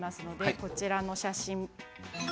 こちらの写真です。